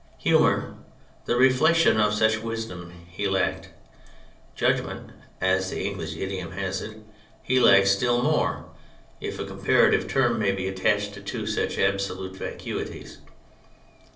Humour, the reflection of such wisdom, he lacked; — "judgment" (as the English idiom has it) he lacked still more — if a comparative term may be attached to two such absolute vacuities.